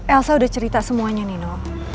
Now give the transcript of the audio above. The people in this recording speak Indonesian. elsa udah cerita semuanya nino